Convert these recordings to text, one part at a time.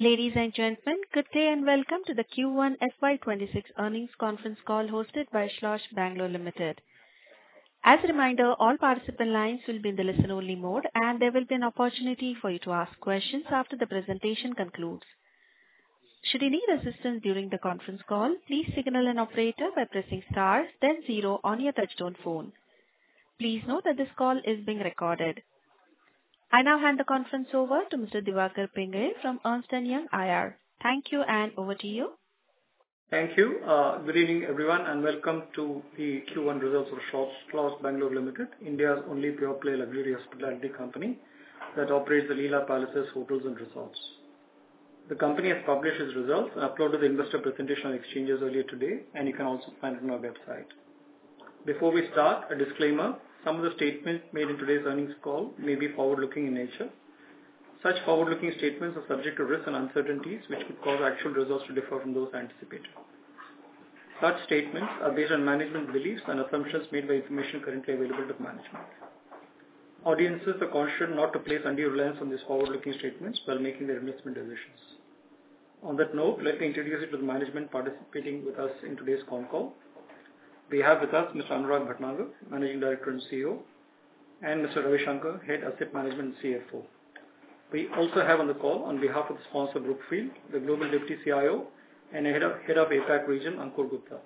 Ladies and gentlemen, good day and welcome to the Q1 FY26 earnings conference call hosted by Schloss Bangalore Limited. As a reminder, all participant lines will be in the listen-only mode, and there will be an opportunity for you to ask questions after the presentation concludes. Should you need assistance during the conference call, please signal an operator by pressing star then zero on your touch-tone phone. Please note that this call is being recorded. I now hand the conference over to Mr. Diwakar Pingle from Ernst & Young IR. Thank you, and over to you. Thank you. Good evening, everyone, and welcome to the Q1 results for Schloss Bangalore Limited, India's only pure-play luxury hospitality company that operates the Leela Palaces Hotels & Resorts. The company has published its results and uploaded the investor presentation on exchanges earlier today, and you can also find it on our website. Before we start, a disclaimer: some of the statements made in today's earnings call may be forward-looking in nature. Such forward-looking statements are subject to risks and uncertainties, which could cause actual results to differ from those anticipated. Such statements are based on management beliefs and assumptions made by information currently available to management. Audiences are cautioned not to place any reliance on these forward-looking statements while making their investment decisions. On that note, let me introduce you to the management participating with us in today's con call. We have with us Mr. Anuraag Bhatnagar, Managing Director and CEO, and Mr. Ravi Shankar, Head Asset Management and CFO. We also have on the call, on behalf of the sponsor group from the Global Real Estate CIO and Head of APAC Region, Ankur Gupta.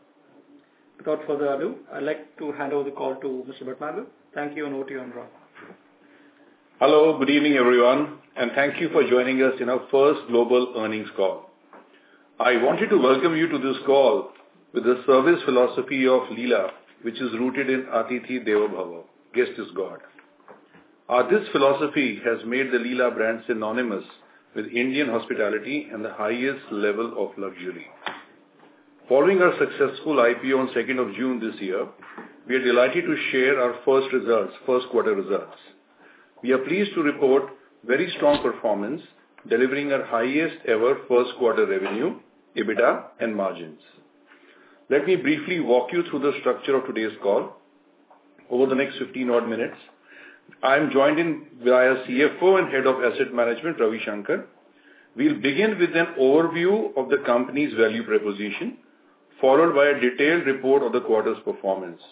Without further ado, I'd like to hand over the call to Mr. Bhatnagar. Thank you, and over to you, Anuraag. Hello, good evening, everyone, and thank you for joining us in our first global earnings call. I wanted to welcome you to this call with the service philosophy of Leela, which is rooted in Atithi Devabhava, "Guest is God." This philosophy has made the Leela brand synonymous with Indian hospitality and the highest level of luxury. Following our successful IPO on 2nd of June this year, we are delighted to share our first results, Q1 results. We are pleased to report very strong performance, delivering our highest-ever Q1 revenue, EBITDA, and margins. Let me briefly walk you through the structure of today's call over the next 15-odd minutes. I am joined by our CFO and Head of Asset Management, Ravi Shankar. We'll begin with an overview of the company's value proposition, followed by a detailed report of the quarter's performance.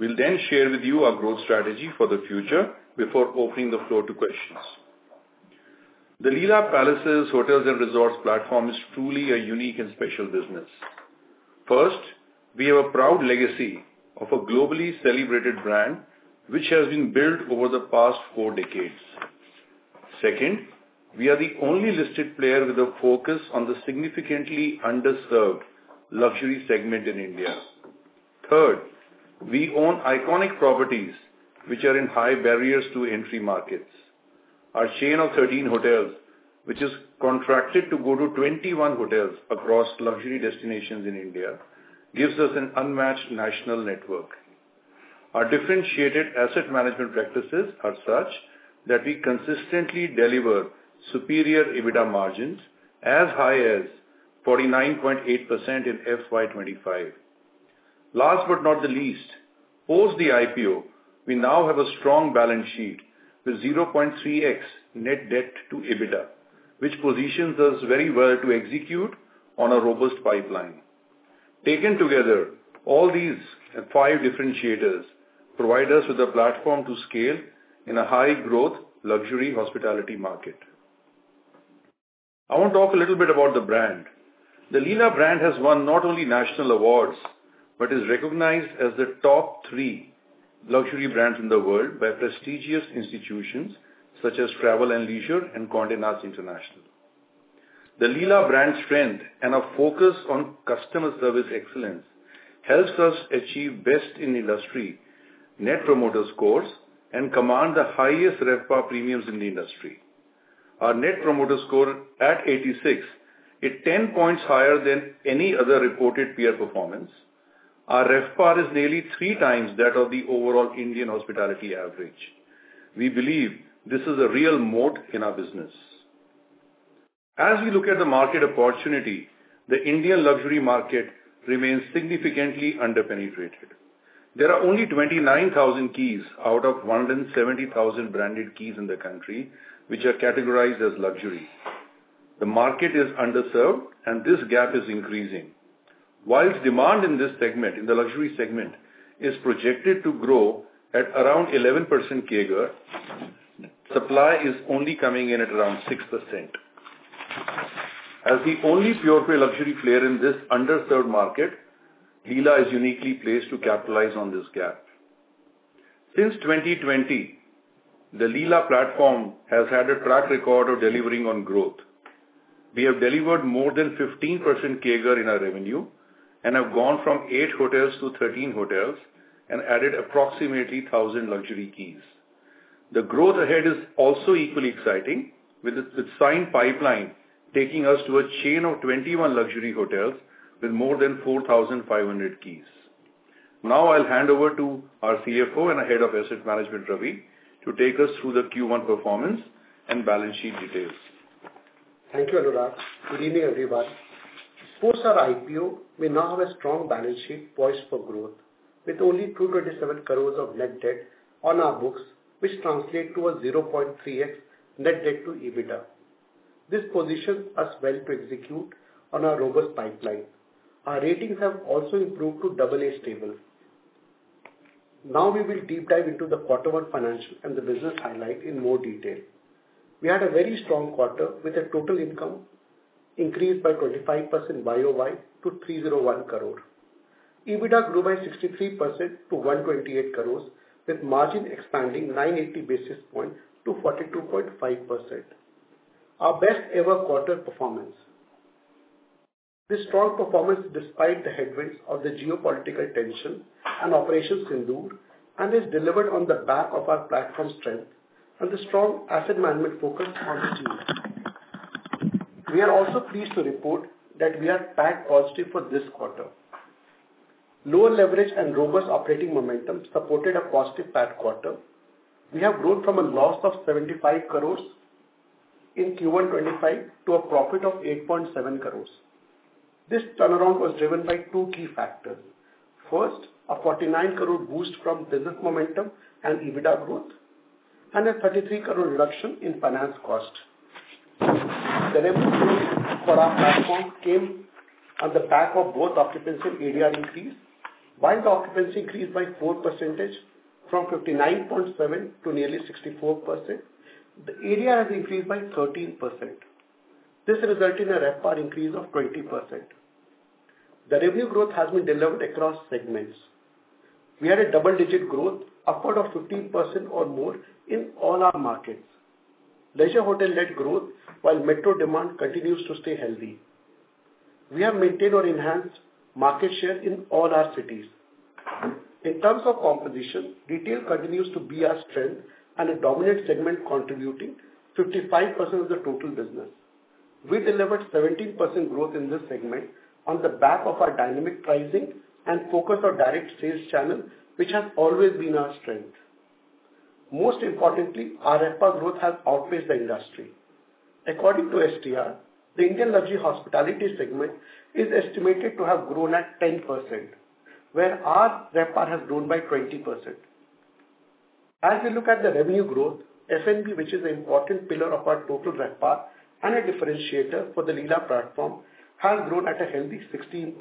We'll then share with you our growth strategy for the future before opening the floor to questions. The Leela Palaces Hotels & Resorts platform is truly a unique and special business. First, we have a proud legacy of a globally celebrated brand, which has been built over the past four decades. Second, we are the only listed player with a focus on the significantly underserved luxury segment in India. Third, we own iconic properties which are in high barriers to entry markets. Our chain of 13 hotels, which is contracted to go to 21 hotels across luxury destinations in India, gives us an unmatched national network. Our differentiated asset management practices are such that we consistently deliver superior EBITDA margins as high as 49.8% in FY25. Last but not the least, post the IPO, we now have a strong balance sheet with 0.3x Net Debt to EBITDA, which positions us very well to execute on a robust pipeline. Taken together, all these five differentiators provide us with a platform to scale in a high-growth luxury hospitality market. I want to talk a little bit about the brand. The Leela brand has won not only national awards but is recognized as the top three luxury brands in the world by prestigious institutions such as Travel + Leisure and Condé Nast International. The Leela brand strength and our focus on customer service excellence helps us achieve best in industry net promoter scores and command the highest RevPAR premiums in the industry. Our net promoter score at 86 is 10 points higher than any other reported peer performance. Our RevPAR is nearly three times that of the overall Indian hospitality average. We believe this is a real moat in our business. As we look at the market opportunity, the Indian luxury market remains significantly underpenetrated. There are only 29,000 keys out of 170,000 branded keys in the country which are categorized as luxury. The market is underserved, and this gap is increasing. While demand in the luxury segment is projected to grow at around 11% CAGR, supply is only coming in at around 6%. As the only pure-play luxury player in this underserved market, Leela is uniquely placed to capitalize on this gap. Since 2020, the Leela platform has had a track record of delivering on growth. We have delivered more than 15% CAGR in our revenue and have gone from 8 hotels to 13 hotels and added approximately 1,000 luxury keys. The growth ahead is also equally exciting, with its signed pipeline taking us to a chain of 21 luxury hotels with more than 4,500 keys. Now I'll hand over to our CFO and Head of Asset Management, Ravi, to take us through the Q1 performance and balance sheet details. Thank you, Anuraag. Good evening, everyone. Post our IPO, we now have a strong balance sheet poised for growth, with only 227 crores of net debt on our books, which translates to a 0.3x net debt to EBITDA. This positions us well to execute on our robust pipeline. Our ratings have also improved to AA stable. Now we will deep dive into the Q1 financial and the business highlight in more detail. We had a very strong quarter, with a total income increase by 25% YOY to 301 crore. EBITDA grew by 63% to 128 crores, with margin expanding 980 basis points to 42.5%. Our best-ever quarter performance. This strong performance, despite the headwinds of the geopolitical tension and operations in Jaipur has delivered on the back of our platform strength and the strong asset management focus on the team. We are also pleased to report that we are TAC positive for this quarter. Lower leverage and robust operating momentum supported a positive TAC quarter. We have grown from a loss of 75 crores in Q1 2025 to a profit of 8.7 crores. This turnaround was driven by two key factors. First, a 49-crore boost from business momentum and EBITDA growth, and a 33-crore reduction in finance cost. The revenue growth for our platform came on the back of both occupancy and ADR increase. While the occupancy increased by 4% from 59.7% to nearly 64%, the ADR has increased by 13%. This resulted in a RevPAR increase of 20%. The revenue growth has been delivered across segments. We had a double-digit growth, upward of 15% or more in all our markets. Leisure hotel-led growth, while metro demand continues to stay healthy. We have maintained or enhanced market share in all our cities. In terms of composition, retail continues to be our strength, and a dominant segment contributing 55% of the total business. We delivered 17% growth in this segment on the back of our dynamic pricing and focus on direct sales channel, which has always been our strength. Most importantly, our RevPAR growth has outpaced the industry. According to STR, the Indian luxury hospitality segment is estimated to have grown at 10%, whereas RevPAR has grown by 20%. As we look at the revenue growth, F&B, which is an important pillar of our total RevPAR and a differentiator for the Leela platform, has grown at a healthy 16%.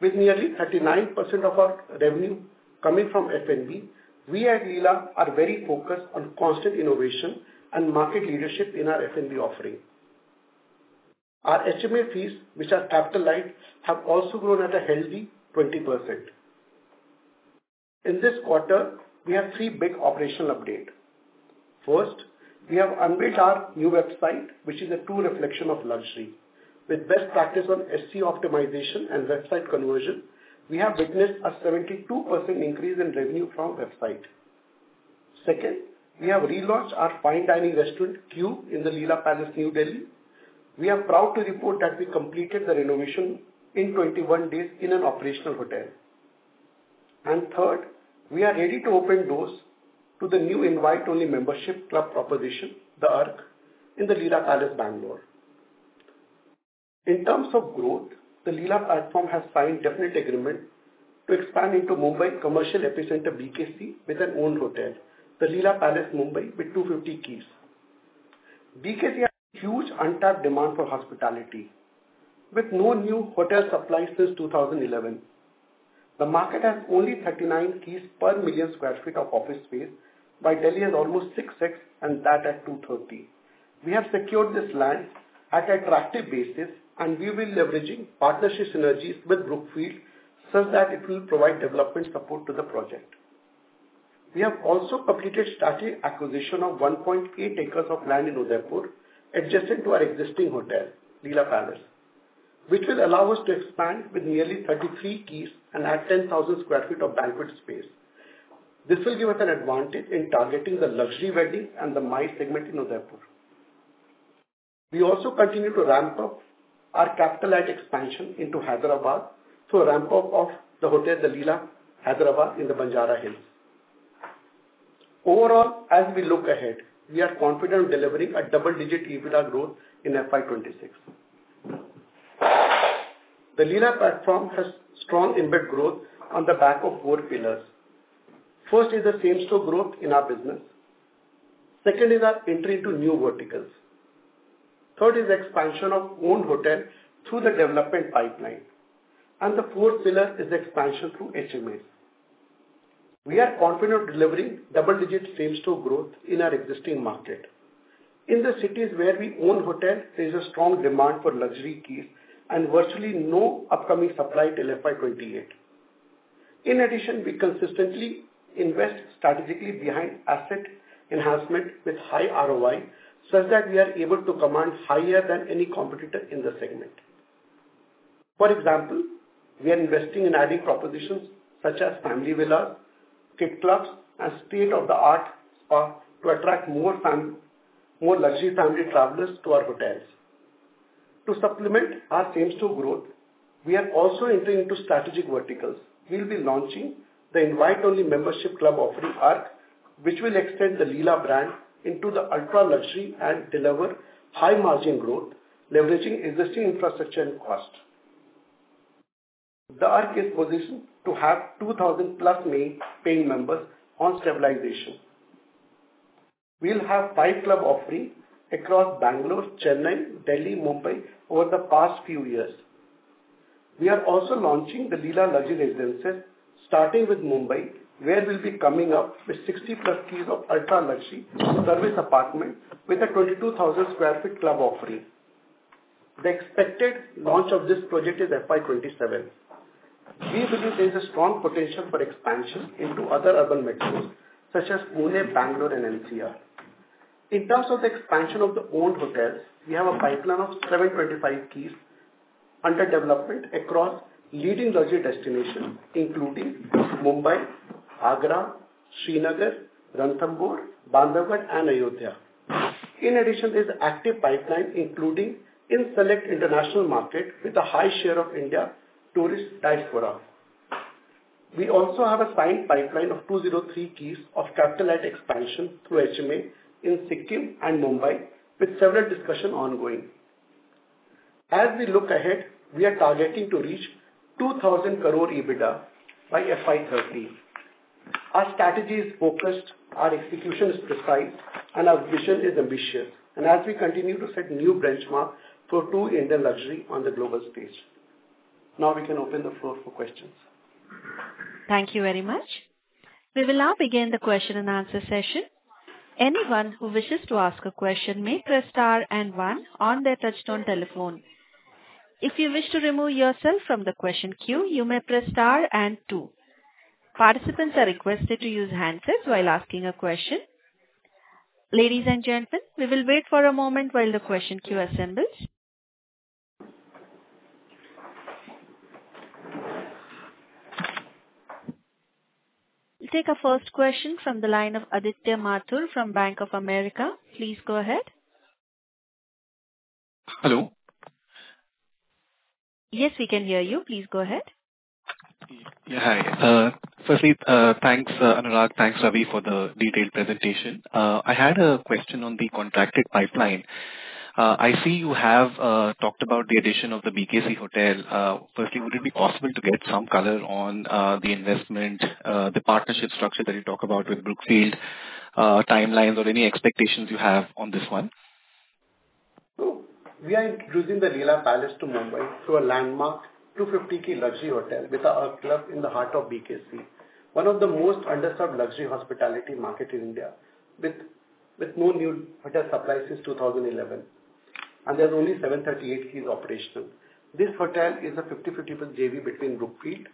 With nearly 39% of our revenue coming from F&B, we at Leela are very focused on constant innovation and market leadership in our F&B offering. Our HMA fees, which are capitalized, have also grown at a healthy 20%. In this quarter, we have three big operational updates. First, we have unveiled our new website, which is a true reflection of luxury. With best practice on SEO optimization and website conversion, we have witnessed a 72% increase in revenue from website. Second, we have relaunched our fine dining restaurant, The Qube, in the Leela Palace, New Delhi. We are proud to report that we completed the renovation in 21 days in an operational hotel, and third, we are ready to open doors to the new invite-only membership club proposition, The Arc, in the Leela Palace, Bangalore. In terms of growth, the Leela platform has signed a definite agreement to expand into Mumbai commercial epicenter, BKC, with an owned hotel, the Leela Palace, Mumbai, with 250 keys. BKC has huge untapped demand for hospitality, with no new hotel supply since 2011. The market has only 39 keys per million sq ft of office space, while Delhi has almost 6x, and that at 230. We have secured this land at an attractive basis, and we will be leveraging partnership synergies with Brookfield such that it will provide development support to the project. We have also completed statutory acquisition of 1.8 acres of land in Udaipur, adjacent to our existing hotel, Leela Palace, which will allow us to expand with nearly 33 keys and add 10,000 sq ft of banquet space. This will give us an advantage in targeting the luxury wedding and the MICE segment in Udaipur. We also continue to ramp up our capital-light expansion into Hyderabad, through a ramp-up of the hotel, the Leela Hyderabad, in the Banjara Hills. Overall, as we look ahead, we are confident in delivering double-digit EBITDA growth in FY26. The Leela platform has strong embedded growth on the back of four pillars. First is the same-store growth in our business. Second is our entry into new verticals. Third is the expansion of owned hotel through the development pipeline, and the fourth pillar is the expansion through HMAs. We are confident in delivering double-digit same-store growth in our existing market. In the cities where we own hotels, there is a strong demand for luxury keys and virtually no upcoming supply till FY28. In addition, we consistently invest strategically behind asset enhancement with high ROI such that we are able to command higher than any competitor in the segment. For example, we are investing in adding propositions such as family villas, kid clubs, and state-of-the-art spas to attract more luxury family travelers to our hotels. To supplement our same-store growth, we are also entering into strategic verticals. We'll be launching the invite-only membership club offering Arc, which will extend the Leela brand into the ultra-luxury and deliver high-margin growth, leveraging existing infrastructure and cost. The Arc is positioned to have 2,000-plus paying members on stabilization. We'll have five club offerings across Bangalore, Chennai, Delhi, and Mumbai over the past few years. We are also launching the Leela Luxury Residences, starting with Mumbai, where we'll be coming up with 60-plus keys of ultra-luxury service apartments with a 22,000 sq ft club offering. The expected launch of this project is FY27. We believe there is a strong potential for expansion into other urban metro such as Pune, Bangalore, and NCR. In terms of the expansion of the owned hotels, we have a pipeline of 725 keys under development across leading luxury destinations, including Mumbai, Agra, Srinagar, Ranthambore, Bandhavgarh, and Ayodhya. In addition, there is an active pipeline including in select international markets with a high share of India tourist diaspora. We also have a signed pipeline of 203 keys of capital-light expansion through HMA in Sikkim and Mumbai, with several discussions ongoing. As we look ahead, we are targeting to reach 2,000 crore EBITDA by FY30. Our strategy is focused, our execution is precise, and our vision is ambitious. And as we continue to set new benchmarks for true Indian luxury on the global stage, now we can open the floor for questions. Thank you very much. We will now begin the question and answer session. Anyone who wishes to ask a question may press star and one on their touch-tone telephone. If you wish to remove yourself from the question queue, you may press star and two. Participants are requested to use handsets while asking a question. Ladies and gentlemen, we will wait for a moment while the question queue assembles. We'll take a first question from the line of Aditya Mathur from Bank of America. Please go ahead. Hello. Yes, we can hear you. Please go ahead. Yeah, hi. Firstly, thanks, Anuraag. Thanks, Ravi, for the detailed presentation. I had a question on the contracted pipeline. I see you have talked about the addition of the BKC Hotel. Firstly, would it be possible to get some color on the investment, the partnership structure that you talk about with Brookfield, timelines, or any expectations you have on this one? We are introducing the Leela Palace to Mumbai through a landmark 250-key luxury hotel with our club in the heart of BKC, one of the most underserved luxury hospitality markets in India, with no new hotel supply since 2011, and there's only 738 keys operational. This hotel is a 50-50 JV between Brookfield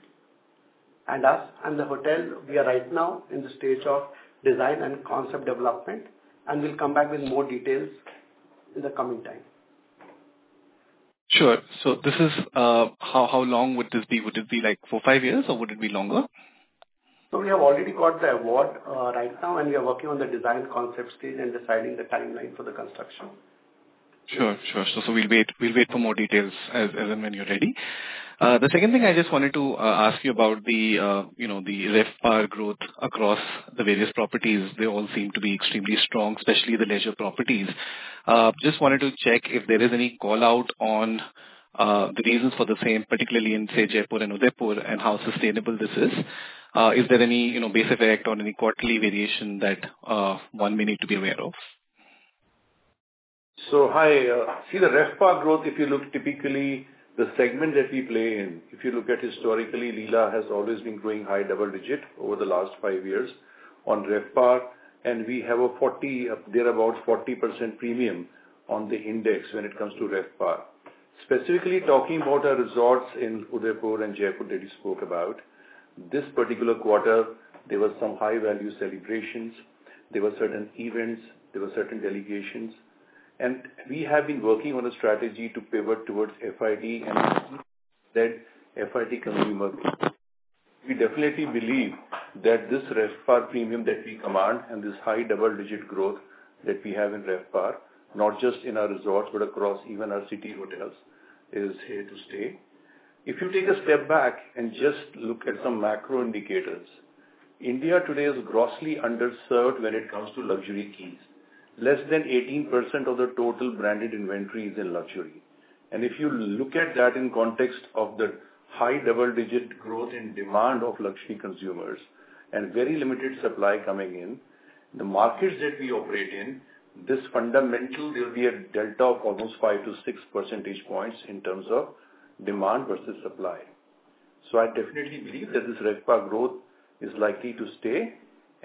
and us, and the hotel, we are right now in the stage of design and concept development, and we'll come back with more details in the coming time. Sure. So this is how long would this be? Would it be like four, five years, or would it be longer? So we have already got the award right now, and we are working on the design concept stage and deciding the timeline for the construction. Sure, sure. So we'll wait for more details when you're ready. The second thing I just wanted to ask you about the RevPAR growth across the various properties, they all seem to be extremely strong, especially the leisure properties. Just wanted to check if there is any call-out on the reasons for the same, particularly in, say, Jaipur and Udaipur, and how sustainable this is. Is there any base effect on any quarterly variation that one may need to be aware of? So, hi. See, the RevPAR growth, if you look typically, the segment that we play in, if you look at historically, Leela has always been growing high double-digit over the last five years on RevPAR. And we have a 40, thereabouts 40% premium on the index when it comes to RevPAR. Specifically talking about our resorts in Udaipur and Jaipur that you spoke about, this particular quarter, there were some high-value celebrations. There were certain events. There were certain delegations. And we have been working on a strategy to pivot towards FIT and then FIT consumer. We definitely believe that this RevPAR premium that we command and this high double-digit growth that we have in RevPAR, not just in our resorts but across even our city hotels, is here to stay. If you take a step back and just look at some macro indicators, India today is grossly underserved when it comes to luxury keys. Less than 18% of the total branded inventory is in luxury. And if you look at that in context of the high double-digit growth in demand of luxury consumers and very limited supply coming in, the markets that we operate in, this fundamental, there'll be a delta of almost 5-6 percentage points in terms of demand versus supply. So I definitely believe that this RevPAR growth is likely to stay.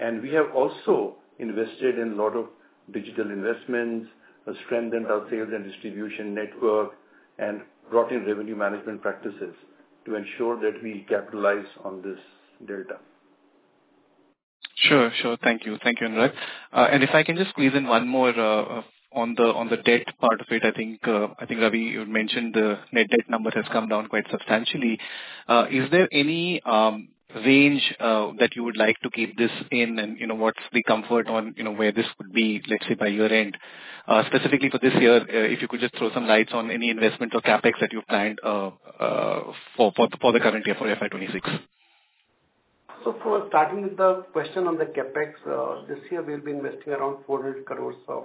And we have also invested in a lot of digital investments, strengthened our sales and distribution network, and brought in revenue management practices to ensure that we capitalize on this delta. Sure, sure. Thank you. Thank you, Anuraag. And if I can just squeeze in one more on the debt part of it, I think Ravi mentioned the net debt number has come down quite substantially. Is there any range that you would like to keep this in, and what's the comfort on where this could be, let's say, by year-end? Specifically for this year, if you could just throw some lights on any investment or CapEx that you've planned for the current year for FY26. So starting with the question on the CapEx, this year we'll be investing around 400 crores of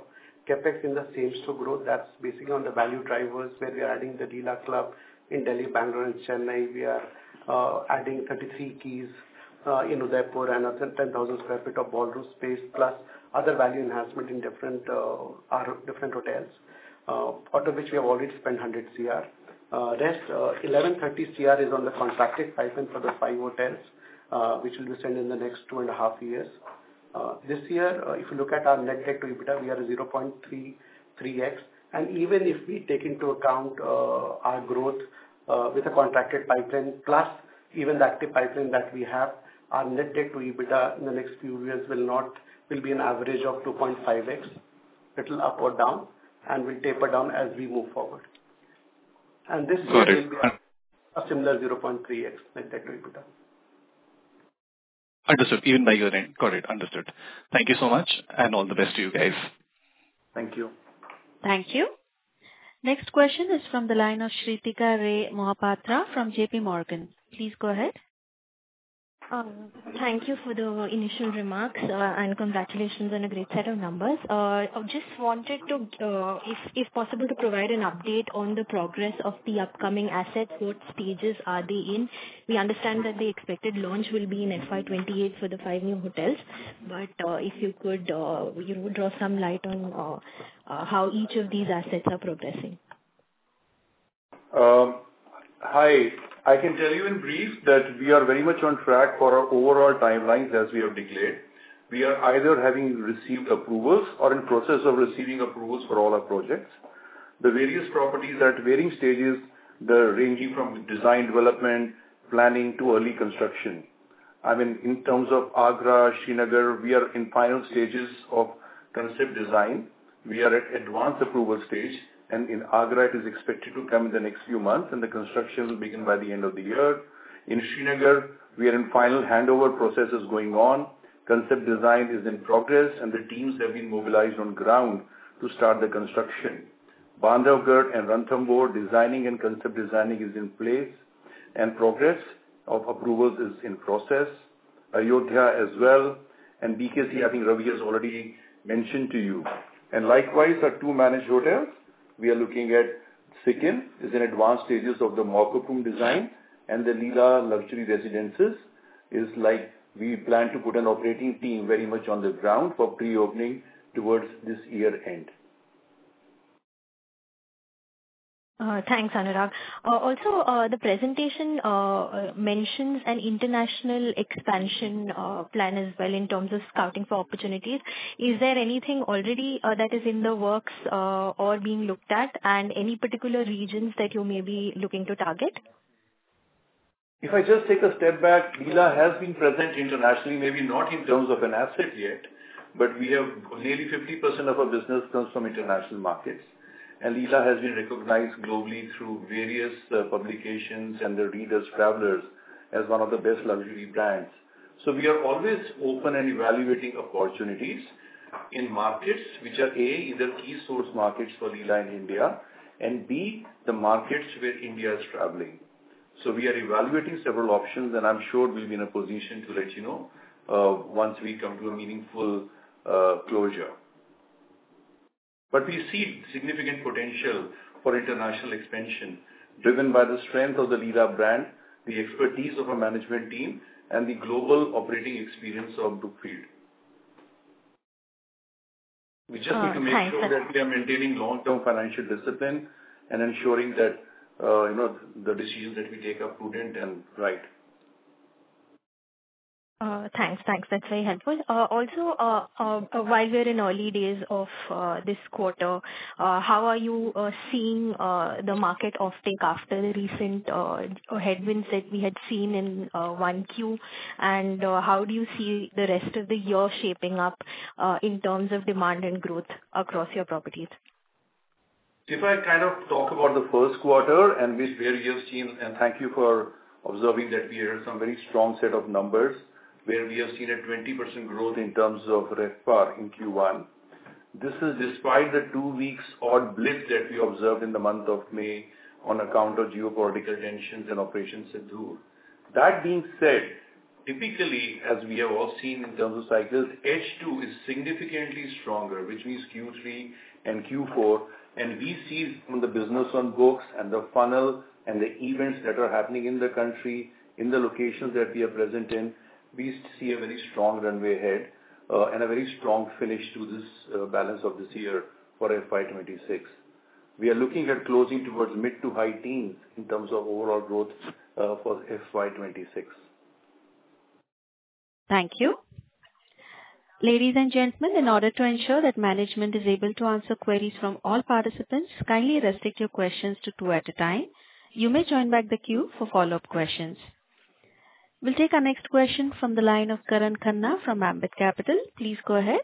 CapEx in the same-store growth. That's basically on the value drivers where we are adding the Leela Club in Delhi, Bangalore, and Chennai. We are adding 33 keys in Udaipur and 10,000 sq ft of ballroom space, plus other value enhancement in different hotels, out of which we have already spent 100 crores. Just, 1,130 crores is on the contracted pipeline for the five hotels, which will be spent in the next two and a half years. This year, if you look at our net debt to EBITDA, we are 0.33x. And even if we take into account our growth with the contracted pipeline, plus even the active pipeline that we have, our net debt to EBITDA in the next few years will be an average of 2.5x. It'll up or down, and we'll taper down as we move forward, and this year will be a similar 0.3x Net Debt to EBITDA. Understood. Even by year-end. Got it. Understood. Thank you so much, and all the best to you guys. Thank you. Thank you. Next question is from the line of Sreetika Ray Mohapatra from JPMorgan. Please go ahead. Thank you for the initial remarks, and congratulations on a great set of numbers. I just wanted to, if possible, provide an update on the progress of the upcoming assets. What stages are they in? We understand that the expected launch will be in FY28 for the five new hotels. But if you could draw some light on how each of these assets are progressing. Hi. I can tell you in brief that we are very much on track for our overall timelines as we have declared. We are either having received approvals or in process of receiving approvals for all our projects. The various properties are at varying stages, ranging from design development, planning, to early construction. I mean, in terms of Agra, Srinagar, we are in final stages of concept design. We are at advanced approval stage. And in Agra, it is expected to come in the next few months, and the construction will begin by the end of the year. In Srinagar, we are in final handover processes going on. Concept design is in progress, and the teams have been mobilized on ground to start the construction. Bandhavgarh and Ranthambore, designing and concept designing is in place, and progress of approvals is in process. Ayodhya as well. BKC, I think Ravi has already mentioned to you. Likewise, our two managed hotels, we are looking at Sikkim, is in advanced stages of the Master plan design. The Leela Luxury Residences is like we plan to put an operating team very much on the ground for pre-opening towards this year-end. Thanks, Anuraag. Also, the presentation mentions an international expansion plan as well in terms of scouting for opportunities. Is there anything already that is in the works or being looked at, and any particular regions that you may be looking to target? If I just take a step back, Leela has been present internationally, maybe not in terms of an asset yet, but we have nearly 50% of our business comes from international markets, and Leela has been recognized globally through various publications and Travel + Leisure as one of the best luxury brands, so we are always open and evaluating opportunities in markets which are, A, either key source markets for Leela in India, and B, the markets where India is traveling, so we are evaluating several options, and I'm sure we'll be in a position to let you know once we come to a meaningful closure, but we see significant potential for international expansion driven by the strength of the Leela brand, the expertise of our management team, and the global operating experience of Brookfield. We just need to make sure that we are maintaining long-term financial discipline and ensuring that the decisions that we take are prudent and right. Thanks. Thanks. That's very helpful. Also, while we're in early days of this quarter, how are you seeing the market offtake after the recent headwinds that we had seen in Q1? And how do you see the rest of the year shaping up in terms of demand and growth across your properties? If I kind of talk about the Q1 and which various teams, and thank you for observing that we heard some very strong set of numbers where we have seen a 20% growth in terms of RevPAR in Q1. This is despite the two weeks odd blip that we observed in the month of May on account of geopolitical tensions and operations at Jaipur. That being said, typically, as we have all seen in terms of cycles, H2 is significantly stronger, which means Q3 and Q4, and we see on the business on books and the funnel and the events that are happening in the country, in the locations that we are present in, we see a very strong runway ahead and a very strong finish to this balance of this year for FY26. We are looking at closing towards mid to high teens in terms of overall growth for FY26. Thank you. Ladies and gentlemen, in order to ensure that management is able to answer queries from all participants, kindly restrict your questions to two at a time. You may join back the queue for follow-up questions. We'll take our next question from the line of Karan Khanna from Ambit Capital. Please go ahead.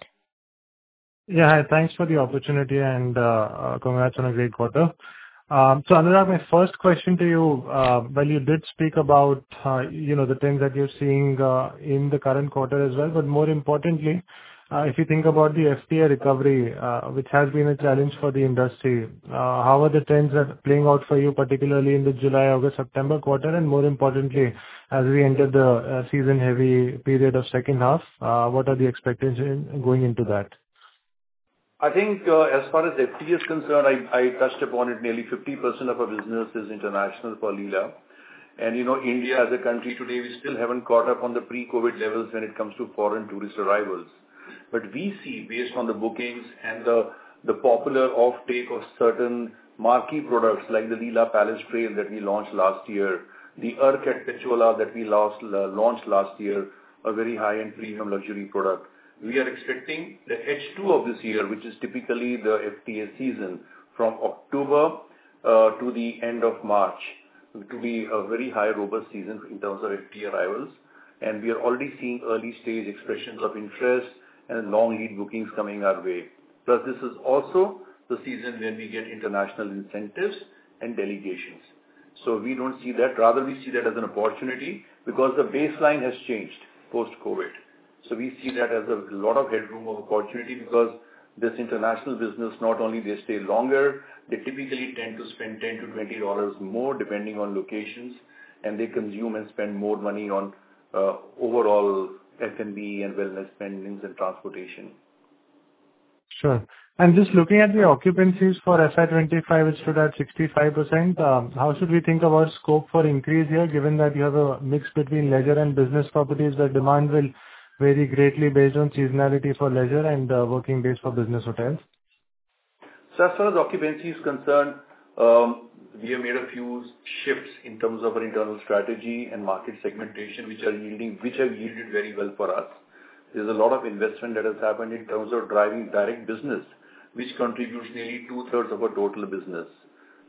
Yeah. Hi. Thanks for the opportunity and congrats on a great quarter. So Anuraag, my first question to you, well, you did speak about the trends that you're seeing in the current quarter as well. But more importantly, if you think about the FTA recovery, which has been a challenge for the industry, how are the trends playing out for you, particularly in the July, August, September quarter? And more importantly, as we enter the season-heavy period of second half, what are the expectations going into that? I think as far as FTA is concerned, I touched upon it. Nearly 50% of our business is international for Leela, and India, as a country today, we still haven't caught up on the pre-COVID levels when it comes to foreign tourist arrivals. But we see, based on the bookings and the popular offtake of certain marquee products like the Leela Palace Trail that we launched last year, the Arc at Pichola that we launched last year, a very high-end premium luxury product. We are expecting the H2 of this year, which is typically the FTA season, from October to the end of March, to be a very high robust season in terms of FTA arrivals, and we are already seeing early-stage expressions of interest and long lead bookings coming our way. Plus, this is also the season when we get international incentives and delegations, so we don't see that. Rather, we see that as an opportunity because the baseline has changed post-COVID. So we see that as a lot of headroom of opportunity because this international business, not only they stay longer, they typically tend to spend $10-$20 more depending on locations, and they consume and spend more money on overall F&B and wellness spendings and transportation. Sure. And just looking at the occupancies for FY25, it stood at 65%. How should we think about scope for increase here given that you have a mix between leisure and business properties where demand will vary greatly based on seasonality for leisure and working days for business hotels? So as far as occupancy is concerned, we have made a few shifts in terms of our internal strategy and market segmentation, which have yielded very well for us. There's a lot of investment that has happened in terms of driving direct business, which contributes nearly two-thirds of our total business.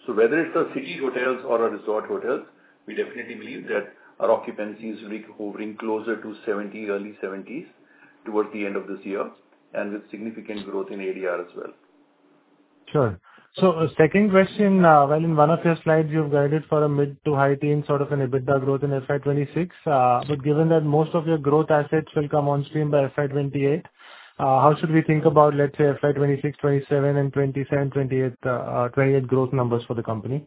So whether it's our city hotels or our resort hotels, we definitely believe that our occupancy is recovering closer to 70, early 70s towards the end of this year, and with significant growth in ADR as well. Sure. So second question, well, in one of your slides, you've guided for a mid-to-high teens sort of an EBITDA growth in FY26. But given that most of your growth assets will come on stream by FY28, how should we think about, let's say, FY26, 27, and 28 growth numbers for the company?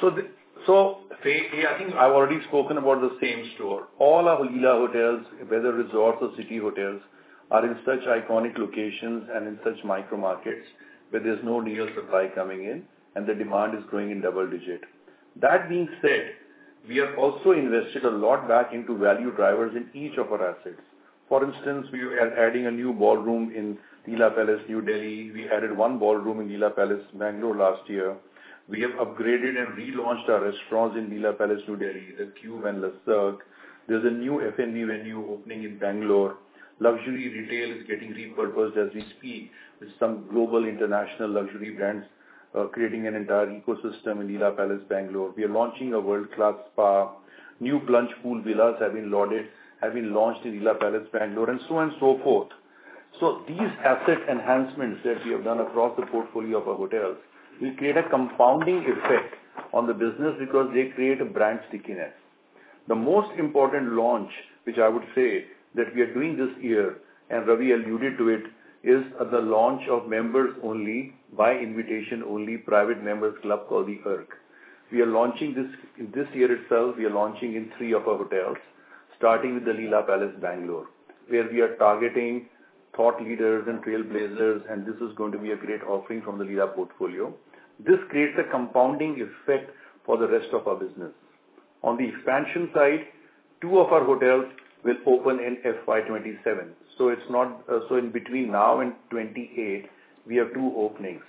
So I think I've already spoken about the same-store. All our Leela hotels, whether resorts or city hotels, are in such iconic locations and in such micro markets where there's no real supply coming in, and the demand is growing in double-digit. That being said, we have also invested a lot back into value drivers in each of our assets. For instance, we are adding a new ballroom in Leela Palace, New Delhi. We added one ballroom in Leela Palace, Bangalore, last year. We have upgraded and relaunched our restaurants in Leela Palace, New Delhi, the Qube and Le Cirque. There's a new F&B venue opening in Bangalore. Luxury retail is getting repurposed as we speak with some global international luxury brands creating an entire ecosystem in Leela Palace, Bangalore. We are launching a world-class spa. New plunge pool villas have been launched in Leela Palace, Bangalore, and so on and so forth. So these asset enhancements that we have done across the portfolio of our hotels will create a compounding effect on the business because they create a brand stickiness. The most important launch, which I would say that we are doing this year, and Ravi alluded to it, is the launch of members-only, by invitation-only, private members club called The Arc. We are launching this year itself. We are launching in three of our hotels, starting with the Leela Palace, Bangalore, where we are targeting thought leaders and trailblazers, and this is going to be a great offering from the Leela portfolio. This creates a compounding effect for the rest of our business. On the expansion side, two of our hotels will open in FY27. So in between now and 2028, we have two openings.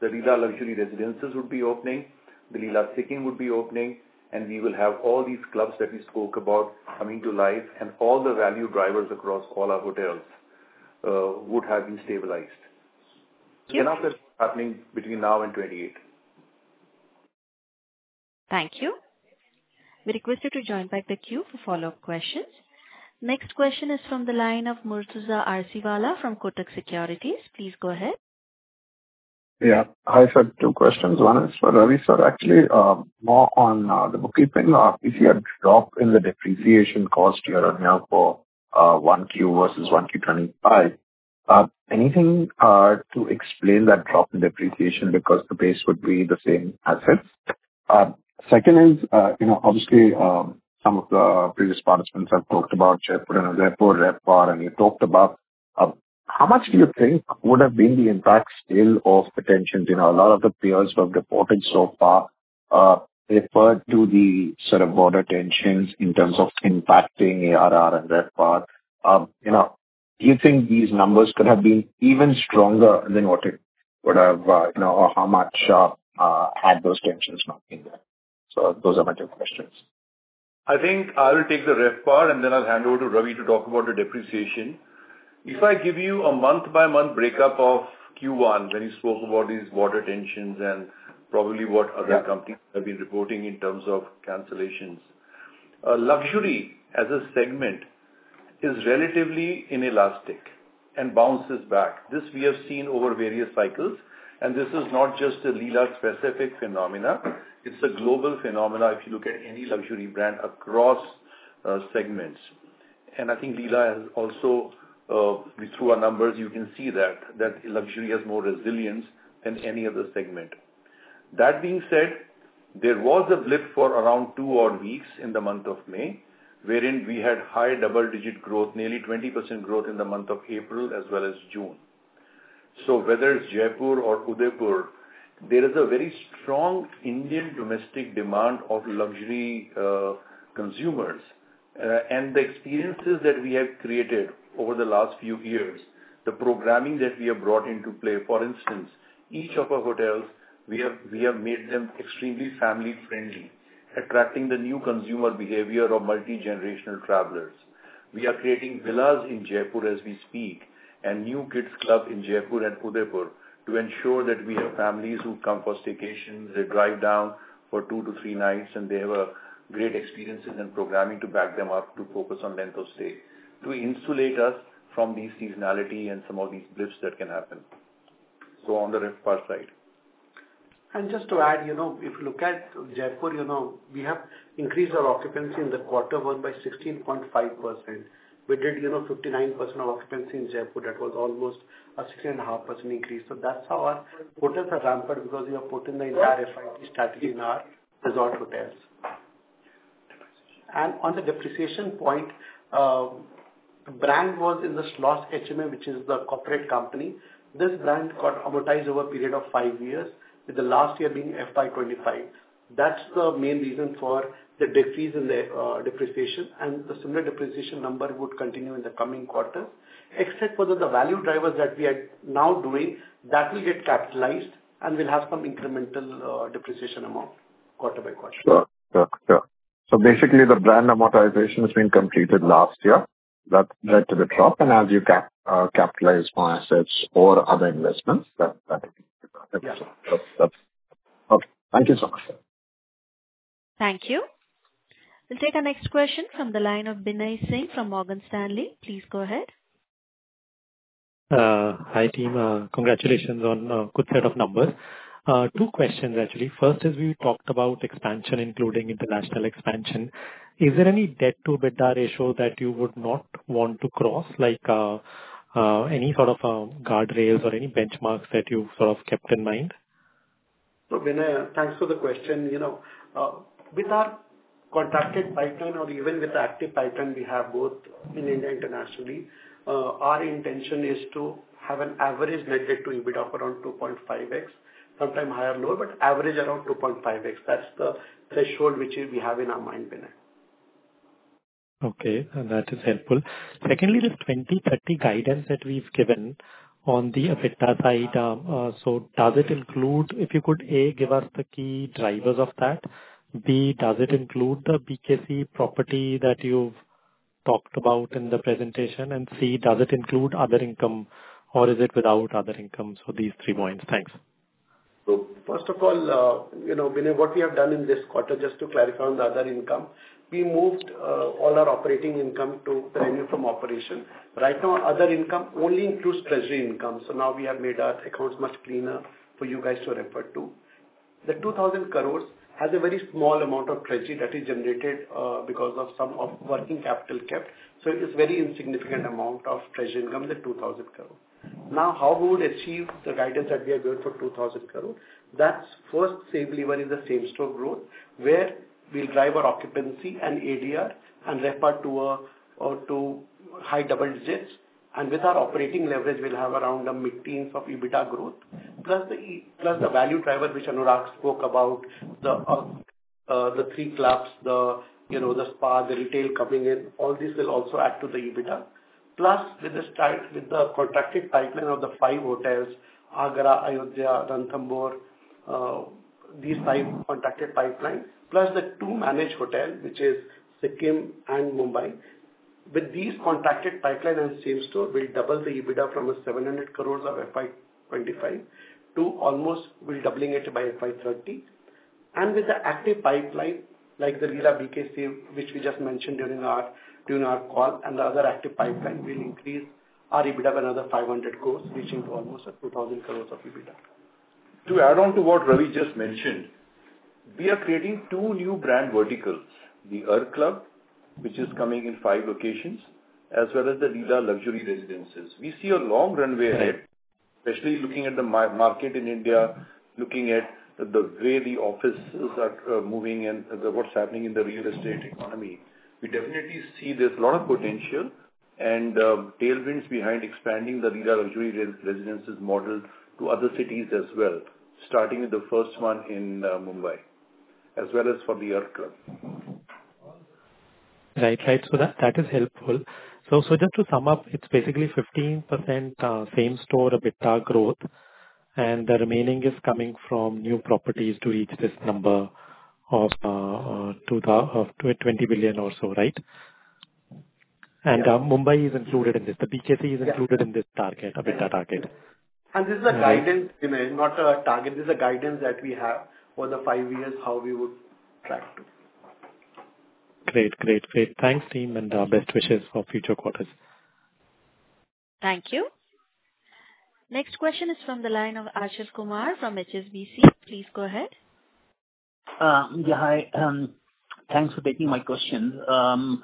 The Leela Luxury Residences would be opening. The Leela Sikkim would be opening. And we will have all these clubs that we spoke about coming to life, and all the value drivers across all our hotels would have been stabilized. Enough is happening between now and 2028. Thank you. We request you to join back the queue for follow-up questions. Next question is from the line of Murtuza Arsiwalla from Kotak Securities. Please go ahead. Yeah. I've got two questions. One is for Ravi. So actually, more on the bookkeeping, if you have dropped in the depreciation cost year-on-year for Q1 versus Q1 2025, anything to explain that drop in depreciation because the base would be the same assets? Second is, obviously, some of the previous participants have talked about Jaipur and Udaipur, RevPAR, and you talked about how much do you think would have been the impact still of the tensions? A lot of the peers who have reported so far referred to the sort of border tensions in terms of impacting ARR and RevPAR. Do you think these numbers could have been even stronger than what it would have or how much had those tensions not been there? So those are my two questions. I think I will take the RevPAR, and then I'll hand over to Ravi to talk about the depreciation. If I give you a month-by-month breakup of Q1, when you spoke about these border tensions and probably what other companies have been reporting in terms of cancellations, luxury as a segment is relatively inelastic and bounces back. This we have seen over various cycles, and this is not just a Leela-specific phenomena. It's a global phenomena if you look at any luxury brand across segments, and I think Leela has also, through our numbers, you can see that luxury has more resilience than any other segment. That being said, there was a blip for around two odd weeks in the month of May, wherein we had high double-digit growth, nearly 20% growth in the month of April as well as June. So whether it's Jaipur or Udaipur, there is a very strong Indian domestic demand of luxury consumers. And the experiences that we have created over the last few years, the programming that we have brought into play, for instance, each of our hotels, we have made them extremely family-friendly, attracting the new consumer behavior of multi-generational travelers. We are creating villas in Jaipur as we speak and new kids' clubs in Jaipur and Udaipur to ensure that we have families who come for staycations. They drive down for two to three nights, and they have great experiences and programming to back them up to focus on length of stay to insulate us from the seasonality and some of these blips that can happen. So on the RevPAR side. And just to add, if you look at Jaipur, we have increased our occupancy in the quarter one by 16.5%. We did 59% occupancy in Jaipur. That was almost a 6.5% increase. So that's how our hotels are ramping because we have put in the entire FIT strategy in our resort hotels. And on the depreciation point, the brand was in the Schloss HMA, which is the corporate company. This brand got amortized over a period of five years, with the last year being FY25. That's the main reason for the decrease in the depreciation. And the similar depreciation number would continue in the coming quarters, except for the value drivers that we are now doing, that will get capitalized and will have some incremental depreciation amount quarter by quarter. Sure. So basically, the brand amortization has been completed last year. That led to the drop. And as you capitalize more assets or other investments, that's it. Okay. Thank you so much. Thank you. We'll take our next question from the line of Binay Singh from Morgan Stanley. Please go ahead. Hi, team. Congratulations on a good set of numbers. Two questions, actually. First is, we talked about expansion, including international expansion. Is there any debt-to-EBITDA ratio that you would not want to cross, like any sort of guardrails or any benchmarks that you sort of kept in mind? So Binay, thanks for the question. With our contracted pipeline or even with the active pipeline we have both in India and internationally, our intention is to have an average net debt-to-EBITDA of around 2.5x, sometimes higher or lower, but average around 2.5x. That's the threshold which we have in our mind, Binay. Okay. That is helpful. Secondly, this 2030 guidance that we've given on the EBITDA side, so does it include, if you could, A, give us the key drivers of that? B, does it include the BKC property that you've talked about in the presentation? And C, does it include other income, or is it without other income, so these three points. Thanks. So first of all, Binay, what we have done in this quarter, just to clarify on the other income, we moved all our operating income to revenue from operation. Right now, other income only includes treasury income. So now we have made our accounts much cleaner for you guys to refer to. The 2,000 crores has a very small amount of treasury that is generated because of some working capital kept. So it's a very insignificant amount of treasury income, the 2,000 crores. Now, how we would achieve the guidance that we have given for 2,000 crores? That's first, safely in the same-store growth, where we'll drive our occupancy and ADR and RevPAR to high double digits. And with our operating leverage, we'll have around a mid-teens of EBITDA growth, plus the value driver which Anuraag spoke about, the three clubs, the spa, the retail coming in. All these will also add to the EBITDA. Plus, with the contracted pipeline of the five hotels, Agra, Ayodhya, Ranthambore, these five contracted pipelines, plus the two managed hotels, which is Sikkim and Mumbai, with these contracted pipeline and same-store, we'll double the EBITDA from 700 crores of FY25 to almost doubling it by FY30, and with the active pipeline, like the Leela BKC, which we just mentioned during our call, and the other active pipeline, we'll increase our EBITDA by another 500 crores, reaching almost 2,000 crores of EBITDA. To add on to what Ravi just mentioned, we are creating two new brand verticals, the Arc Club, which is coming in five locations, as well as the Leela Luxury Residences. We see a long runway ahead, especially looking at the market in India, looking at the way the offices are moving and what's happening in the real estate economy. We definitely see there's a lot of potential and tailwinds behind expanding the Leela Luxury Residences model to other cities as well, starting with the first one in Mumbai, as well as for the Arc Club. Right. Right. So that is helpful. So just to sum up, it's basically 15% same-store EBITDA growth, and the remaining is coming from new properties to reach this number of 20 billion or so, right? And Mumbai is included in this. The BKC is included in this target, EBITDA target. This is a guidance, not a target. This is a guidance that we have for the five years how we would track to. Great. Great. Great. Thanks, team, and best wishes for future quarters. Thank you. Next question is from the line of Ajay Kumar from HSBC. Please go ahead. Yeah. Hi. Thanks for taking my question. So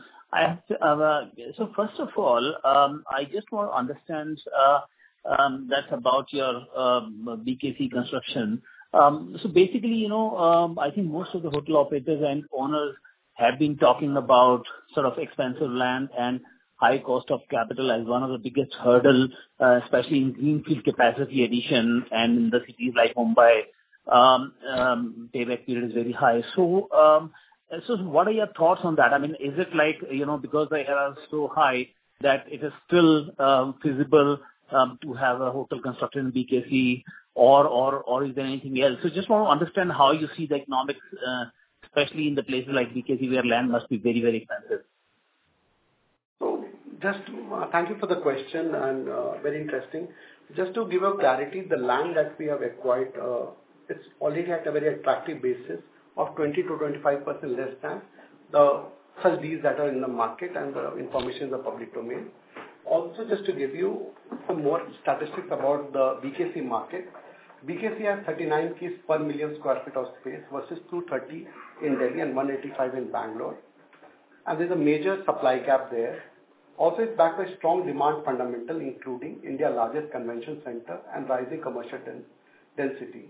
first of all, I just want to understand that about your BKC construction. So basically, I think most of the hotel operators and owners have been talking about sort of expensive land and high cost of capital as one of the biggest hurdles, especially in greenfield capacity addition and in the cities like Mumbai. Payback period is very high. So what are your thoughts on that? I mean, is it like because they are so high that it is still feasible to have a hotel constructed in BKC, or is there anything else? So just want to understand how you see the economics, especially in the places like BKC where land must be very, very expensive. Just thank you for the question. Very interesting. Just to give you clarity, the land that we have acquired, it's already at a very attractive basis of 20%-25% less than the sale deeds that are in the market, and the information is a public domain. Also, just to give you some more statistics about the BKC market, BKC has 39 keys per million sq ft of space versus 230 in Delhi and 185 in Bangalore. There's a major supply gap there. Also, it's backed by strong demand fundamentals, including India's largest convention center and rising commercial density.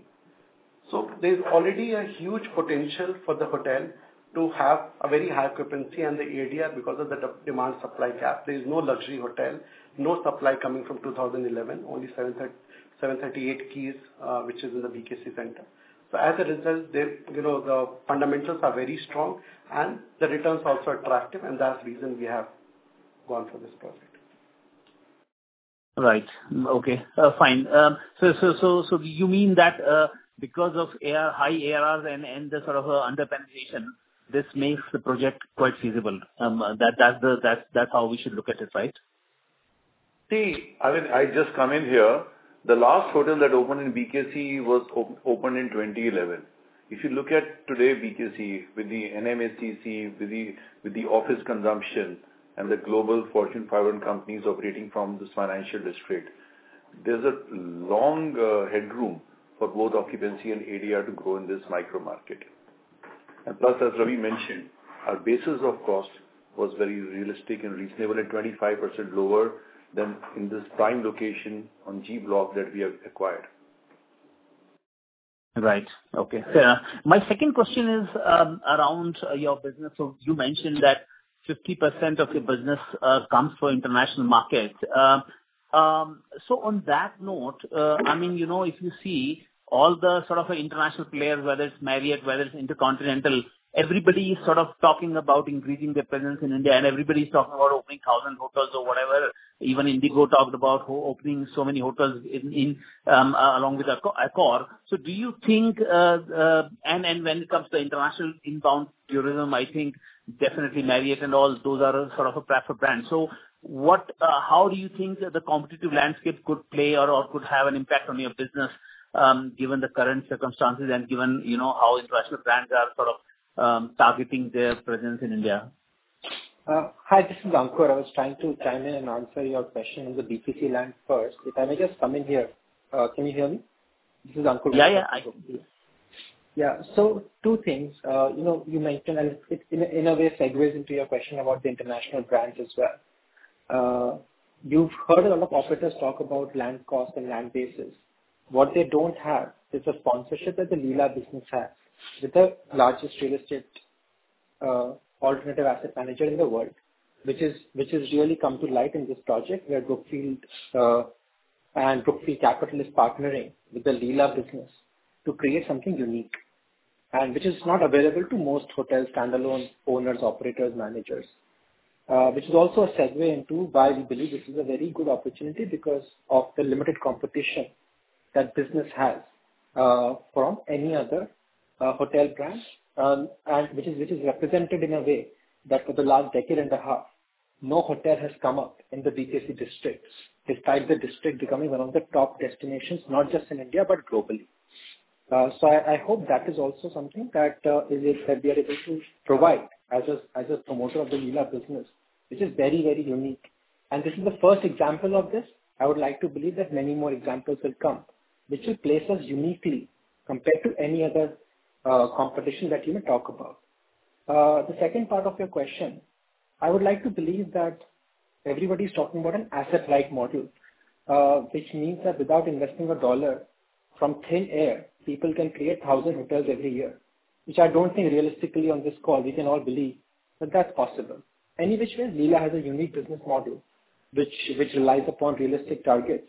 There's already a huge potential for the hotel to have a very high occupancy and the ADR because of the demand-supply gap. There is no luxury hotel, no supply coming from 2011, only 738 keys, which is in the BKC center. So as a result, the fundamentals are very strong, and the returns are also attractive, and that's the reason we have gone for this project. Right. Okay. Fine. So you mean that because of high ARRs and the sort of underpenetration, this makes the project quite feasible? That's how we should look at it, right? See, I mean, I just come in here. The last hotel that opened in BKC was opened in 2011. If you look at today's BKC with the NMACC, with the office consumption, and the global Fortune 500 companies operating from this financial district, there's a long headroom for both occupancy and ADR to grow in this micro-market, and plus, as Ravi mentioned, our basis of cost was very realistic and reasonable and 25% lower than in this prime location on G Block that we have acquired. Right. Okay. My second question is around your business. So you mentioned that 50% of your business comes from international markets. So on that note, I mean, if you see all the sort of international players, whether it's Marriott, whether it's InterContinental, everybody is sort of talking about increasing their presence in India, and everybody is talking about opening 1,000 hotels or whatever. Even InterGlobe talked about opening so many hotels along with Accor. So do you think, and when it comes to international inbound tourism, I think definitely Marriott and all those are sort of a preferred brand. So how do you think the competitive landscape could play or could have an impact on your business given the current circumstances and given how international brands are sort of targeting their presence in India? Hi. This is Ankur. I was trying to chime in and answer your question on the BKC land first. If I may just come in here, can you hear me? This is Ankur. Yeah. Yeah. I can. Yeah. So two things. You mentioned, and it in a way segues into your question about the international brands as well. You've heard a lot of operators talk about land cost and land basis. What they don't have is the sponsorship that the Leela business has with the largest real estate alternative asset manager in the world, which has really come to light in this project where Brookfield and Brookfield Capital is partnering with the Leela business to create something unique, which is not available to most hotel standalone owners, operators, managers. Which is also a segue into why we believe this is a very good opportunity because of the limited competition that business has from any other hotel brand, which is represented in a way that for the last decade and a half, no hotel has come up in the BKC districts, despite the district becoming one of the top destinations, not just in India, but globally. So I hope that is also something that we are able to provide as a promoter of the Leela business, which is very, very unique. And this is the first example of this. I would like to believe that many more examples will come, which will place us uniquely compared to any other competition that you may talk about. The second part of your question, I would like to believe that everybody is talking about an asset-like model, which means that without investing a dollar, from thin air, people can create 1,000 hotels every year, which I don't think, realistically, on this call we can all believe that that's possible. Any which way, Leela has a unique business model which relies upon realistic targets,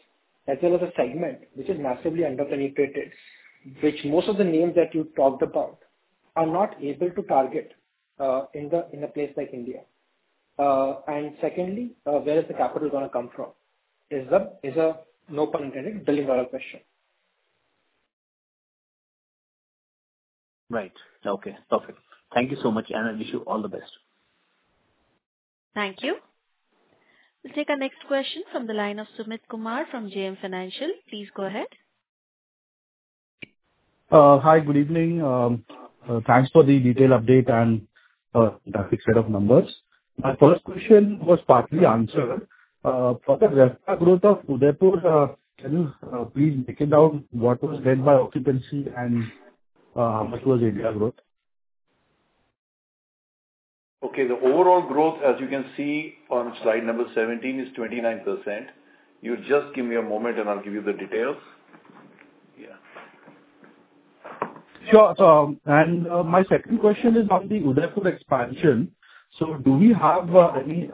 as well as a segment which is massively underpenetrated, which most of the names that you talked about are not able to target in a place like India, and secondly, where is the capital going to come from? It's, no pun intended, a billion-dollar question. Right. Okay. Perfect. Thank you so much, and I wish you all the best. Thank you. We'll take our next question from the line of Sumit Kumar from JM Financial. Please go ahead. Hi. Good evening. Thanks for the detailed update and the fixed set of numbers. My first question was partly answered. For the growth of Udaipur, can you please break it down? What was led by occupancy and how much was India's growth? Okay. The overall growth, as you can see on slide number 17, is 29%. You just give me a moment, and I'll give you the details. Yeah. Sure. And my second question is on the Udaipur expansion. So do we have any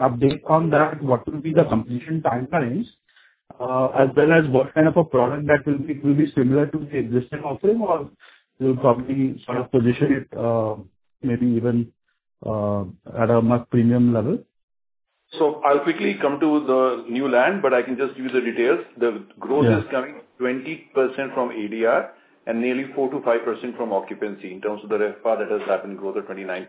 update on that? What will be the completion timelines, as well as what kind of a product that will be similar to the existing offering, or will probably sort of position it maybe even at a much premium level? So I'll quickly come to the new land, but I can just give you the details. The growth is coming 20% from ADR and nearly 4%-5% from occupancy in terms of the RevPAR that has happened growth of 29%.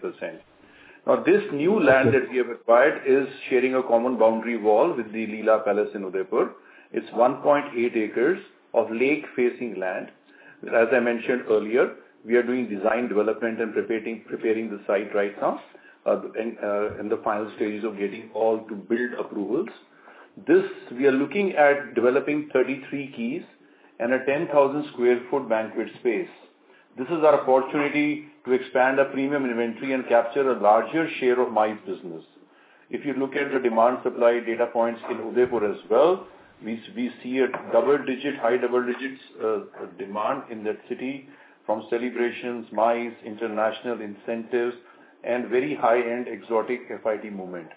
Now, this new land that we have acquired is sharing a common boundary wall with The Leela Palace in Udaipur. It's 1.8 acres of lake-facing land. As I mentioned earlier, we are doing design development and preparing the site right now in the final stages of getting all to build approvals. We are looking at developing 33 keys and a 10,000 sq ft banquet space. This is our opportunity to expand our premium inventory and capture a larger share of MICE business. If you look at the demand-supply data points in Udaipur as well, we see a high double digits demand in that city from celebrations, MICE, international incentives, and very high-end exotic FIT movement.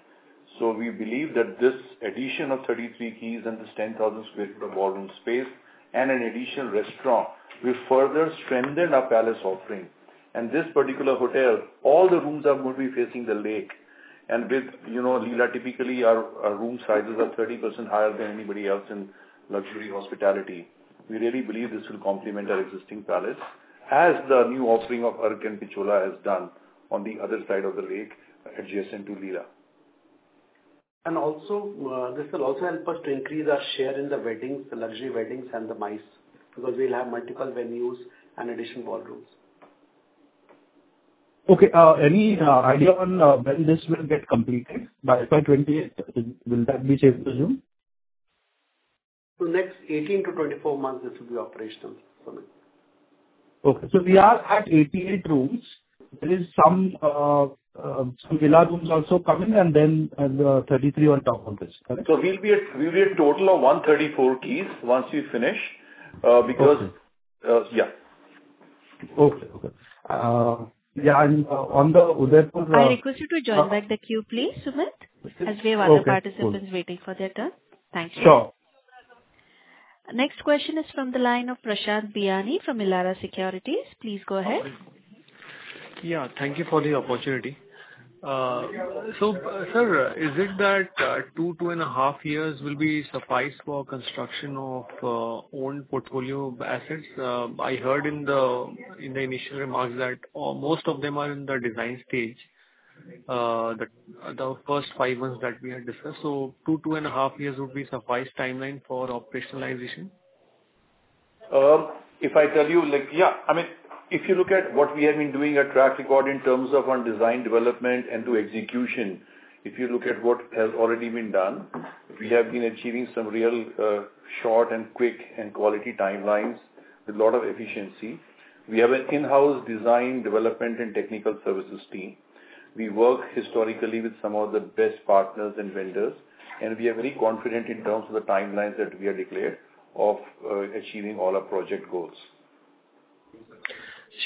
So we believe that this addition of 33 keys and this 10,000 sq ft of ballroom space and an additional restaurant will further strengthen our palace offering. And this particular hotel, all the rooms are going to be facing the lake. And with Leela typically, our room sizes are 30% higher than anybody else in luxury hospitality. We really believe this will complement our existing palace, as the new offering of the arc and Pichola has done on the other side of the lake adjacent to Leela. This will also help us to increase our share in the luxury weddings and the MICE because we'll have multiple venues and additional ballrooms. Okay. Any idea on when this will get completed? By '28, will that be shifted to you? So, next 18-24 months, this will be operational, Sumit. Okay. So we are at 88 rooms. There are some Leela rooms also coming, and then 33 on top of this. Correct? So we'll be a total of 134 keys once we finish because yeah. Okay. Yeah, and on the Udaipur road. I request you to join back the queue, please, Sumit, as we have other participants waiting for their turn. Thank you. Sure. Next question is from the line of Prashant Biyani from Elara Securities. Please go ahead. Yeah. Thank you for the opportunity. So sir, is it that two, two and a half years will be suffice for construction of own portfolio assets? I heard in the initial remarks that most of them are in the design stage, the first five months that we had discussed. So two, two and a half years would be suffice timeline for operationalization? If I tell you, yeah. I mean, if you look at what we have been doing, our track record in terms of our design development and to execution, if you look at what has already been done, we have been achieving some real short and quick and quality timelines with a lot of efficiency. We have an in-house design development and technical services team. We work historically with some of the best partners and vendors, and we are very confident in terms of the timelines that we have declared of achieving all our project goals.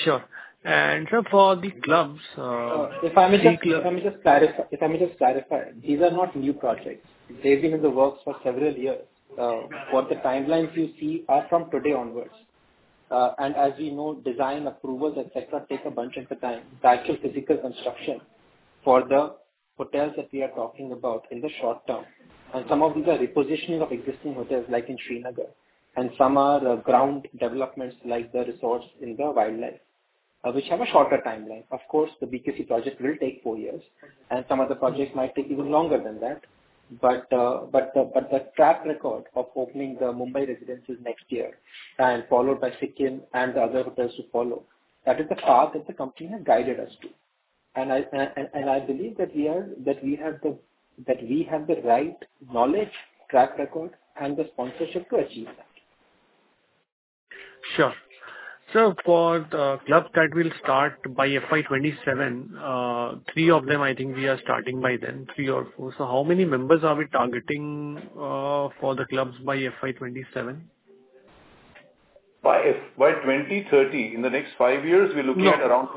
Sure. And for the clubs. If I may just clarify, if I may just clarify, these are not new projects. They've been in the works for several years. What the timelines you see are from today onwards, and as we know, design approvals, etc., take a bunch of the time. The actual physical construction for the hotels that we are talking about in the short term, and some of these are repositioning of existing hotels like in Srinagar, and some are ground developments like the resorts in the wildlife, which have a shorter timeline. Of course, the BKC project will take four years, and some other projects might take even longer than that, but the track record of opening the Mumbai residences next year and followed by Sikkim and the other hotels to follow, that is the path that the company has guided us to. And I believe that we have the right knowledge, track record, and the sponsorship to achieve that. Sure. So for the clubs that will start by FY 27, three of them, I think we are starting by then, three or four. So how many members are we targeting for the clubs by FY 27? By 2030, in the next five years, we're looking at around.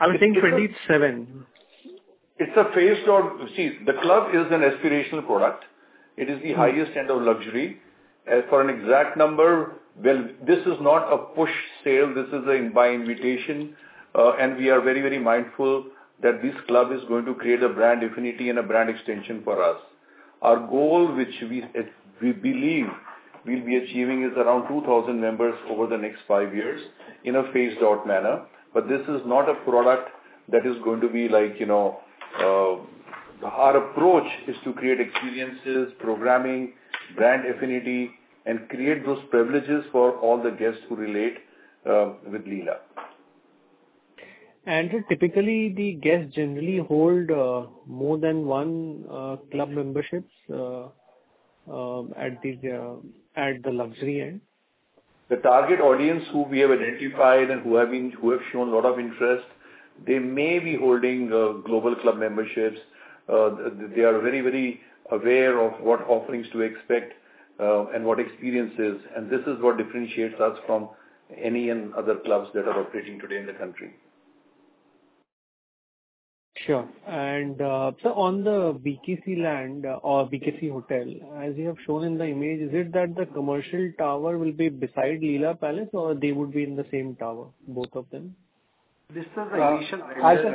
I was saying 27. It's a phased one. See, the club is an aspirational product. It is the highest end of luxury. For an exact number, well, this is not a push sale. This is by invitation, and we are very, very mindful that this club is going to create a brand affinity and a brand extension for us. Our goal, which we believe we'll be achieving, is around 2,000 members over the next five years in a phased-out manner, but this is not a product that is going to be like our approach is to create experiences, programming, brand affinity, and create those privileges for all the guests who relate with Leela. Typically, the guests generally hold more than one club membership at the luxury end? The target audience who we have identified and who have shown a lot of interest. They may be holding global club memberships. They are very, very aware of what offerings to expect and what experiences, and this is what differentiates us from any other clubs that are operating today in the country. Sure. And so on the BKC land or BKC hotel, as you have shown in the image, is it that the commercial tower will be beside Leela Palace, or they would be in the same tower, both of them? This is the initial question.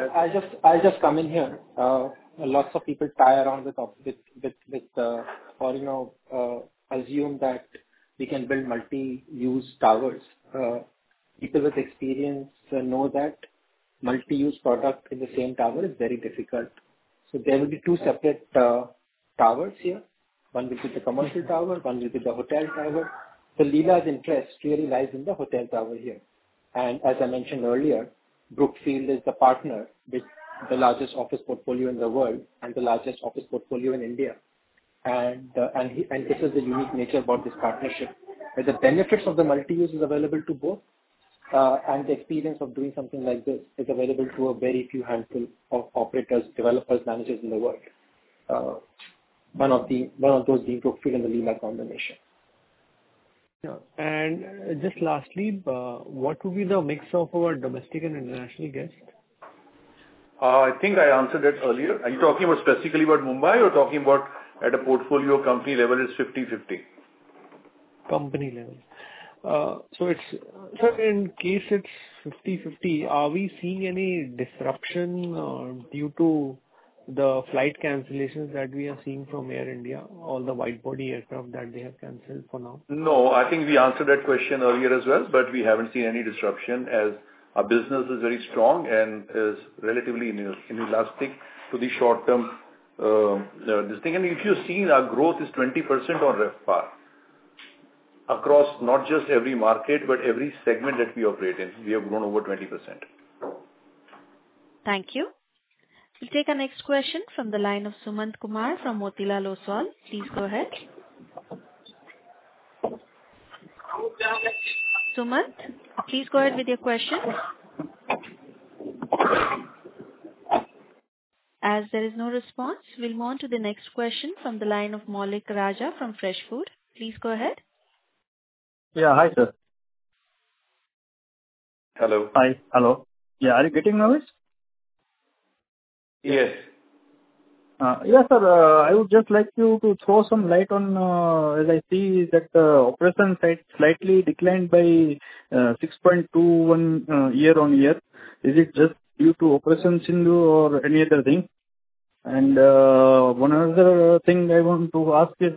I just come in here. Lots of people toy around with or assume that we can build multi-use towers. People with experience know that multi-use product in the same tower is very difficult. So there will be two separate towers here. One will be the commercial tower. One will be the hotel tower. So Leela's interest really lies in the hotel tower here. And as I mentioned earlier, Brookfield is the partner with the largest office portfolio in the world and the largest office portfolio in India. And this is the unique nature about this partnership. The benefits of the multi-use is available to both, and the experience of doing something like this is available to a very few handful of operators, developers, managers in the world. One of those being Brookfield and the Leela combination. Yeah. And just lastly, what will be the mix of our domestic and international guests? I think I answered that earlier. Are you talking specifically about Mumbai or talking about at a portfolio company level? It's 50/50. Company level. So in case it's 50/50, are we seeing any disruption due to the flight cancellations that we are seeing from Air India, all the widebody aircraft that they have canceled for now? No. I think we answered that question earlier as well, but we haven't seen any disruption as our business is very strong and is relatively inelastic to the short-term disruptions, and if you've seen, our growth is 20% on RevPAR across not just every market, but every segment that we operate in. We have grown over 20%. Thank you. We'll take our next question from the line of Suman Kumar from Motilal Oswal. Please go ahead. Sumit, please go ahead with your question. As there is no response, we'll move on to the next question from the line of Maulik Raja from Fresh Food. Please go ahead. Yeah. Hi, sir. Hello. Hi. Hello. Yeah. Are you getting noise? Yes. Yes, sir. I would just like you to throw some light on, as I see that the operating side slightly declined by 6.21% year-on-year. Is it just due to seasonality or any other thing? And one other thing I want to ask is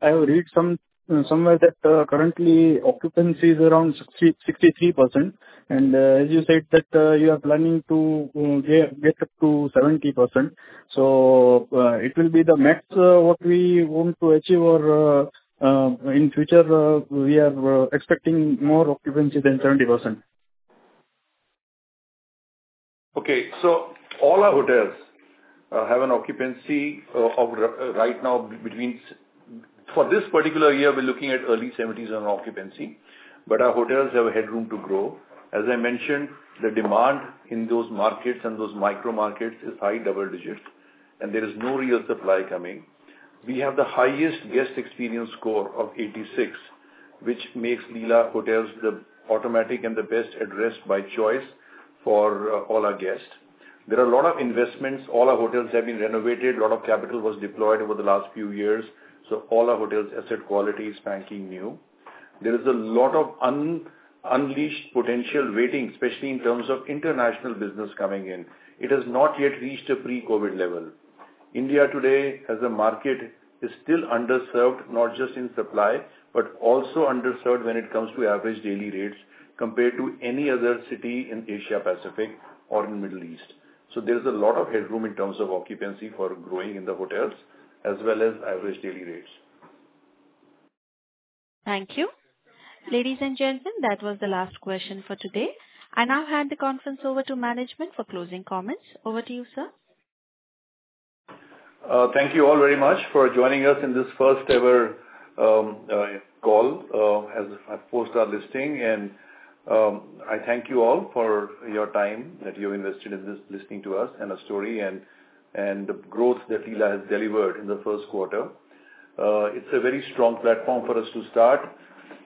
I read somewhere that currently occupancy is around 63%. And as you said that you are planning to get up to 70%. So it will be the max what we want to achieve or in future, we are expecting more occupancy than 70%? Okay. So all our hotels have an occupancy right now between for this particular year. We're looking at early 70s on occupancy. But our hotels have headroom to grow. As I mentioned, the demand in those markets and those micro markets is high double digits, and there is no real supply coming. We have the highest guest experience score of 86, which makes Leela Hotels the automatic and the best address by choice for all our guests. There are a lot of investments. All our hotels have been renovated. A lot of capital was deployed over the last few years. So all our hotels' asset quality is spanking new. There is a lot of unleashed potential waiting, especially in terms of international business coming in. It has not yet reached a pre-COVID level. India today, as a market, is still underserved, not just in supply, but also underserved when it comes to average daily rates compared to any other city in Asia-Pacific or in the Middle East. So there is a lot of headroom in terms of occupancy for growing in the hotels as well as average daily rates. Thank you. Ladies and gentlemen, that was the last question for today. I now hand the conference over to management for closing comments. Over to you, sir. Thank you all very much for joining us in this first-ever call post our listing, and I thank you all for your time that you have invested in this, listening to us and our story and the growth that Leela has delivered in the Q1. It's a very strong platform for us to start,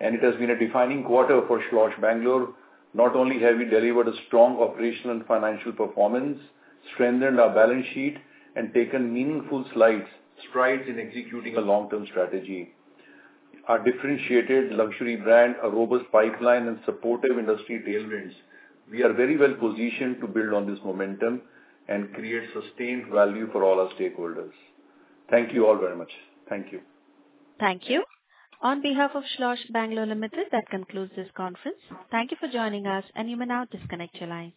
and it has been a defining quarter for Schloss Bangalore. Not only have we delivered a strong operational and financial performance, strengthened our balance sheet, and taken meaningful strides in executing a long-term strategy, our differentiated luxury brand, a robust pipeline, and supportive industry tailwinds, we are very well positioned to build on this momentum and create sustained value for all our stakeholders. Thank you all very much. Thank you. Thank you. On behalf of Schloss Bangalore Limited, that concludes this conference. Thank you for joining us, and you may now disconnect your lines.